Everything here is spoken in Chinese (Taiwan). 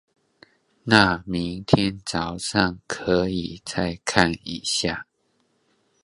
那明天早上可以再看一下